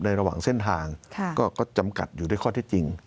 ระหว่างเส้นทางก็จำกัดอยู่ด้วยข้อที่จริง